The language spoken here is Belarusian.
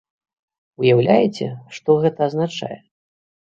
Уяўляеце, што гэта азначае?